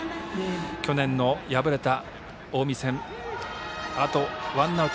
去年敗れた近江戦ワンアウト